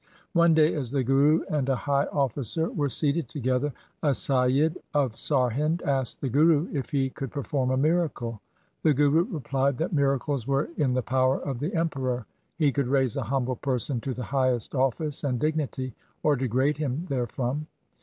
One day as the Guru and a high officer were seated together, a Saiyid of Sarhind asked the Guru if he could perform a miracle. The Guru replied that miracles were in the power of the Emperor. He could raise a humble person to the highest office and dignity, or degrade him therefrom.